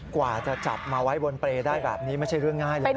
กว่าจะจับมาไว้บนเปรย์ได้แบบนี้ไม่ใช่เรื่องง่ายเลยนะ